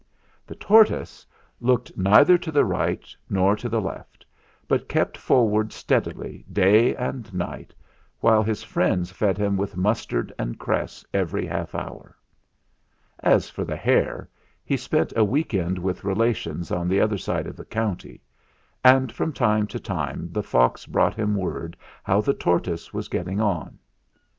The tortoise looked neither to the right nor to the left; but kept forward steadily day and night, while his friends fed him with mustard and cress every half hour. As for the hare, he spent a week end with relations on the other side of the county ; and from time to time the fox brought him word how the tortoise was getting on.